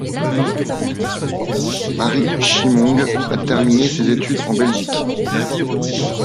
Marie Chimonge a terminé ses études en Belgique.